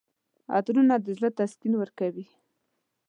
عطرونه د زړه تسکین ورکوي.